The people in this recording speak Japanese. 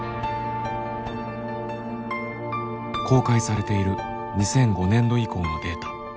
公開されている２００５年度以降のデータ。